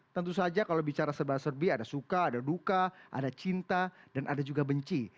tentu saja kalau bicara serba serbi ada suka ada duka ada cinta dan ada juga benci